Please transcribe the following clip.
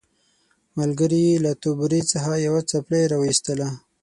ملګري یې له توبرې څخه یوه څپلۍ راوایستله.